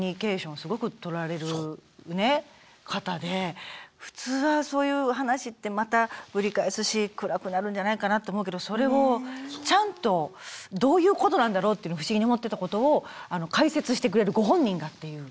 すごくとられるね方で普通はそういう話ってまたぶり返すし暗くなるんじゃないかなと思うけどそれをちゃんとどういうことなんだろうっていうの不思議に思ってたことを解説してくれるご本人がっていう。